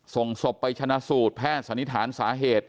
ส่งศพไปชนะสูตรแพทย์สันนิษฐานสาเหตุ